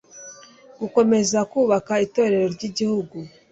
gukomeza kubaka itorero ry'igihugu